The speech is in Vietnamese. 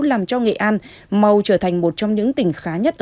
làm cho nghệ an mau trở thành